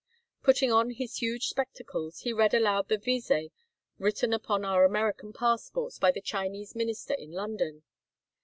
Putting on his huge spectacles, he read aloud the vise written upon our American passports by the Chinese minister in London.